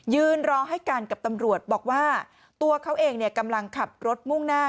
ยืนรอให้กันกับตำรวจบอกว่าตัวเขาเองกำลังขับรถมุ่งหน้า